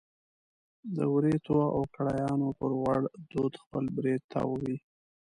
د وریتو او کړایانو پر غوړ دود خپل برېت تاووي.